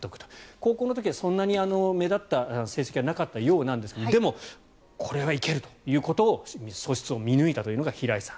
高校の時は目立った成績はなかったようですがでも、これはいけるということを素質を見抜いたというのが平井さん。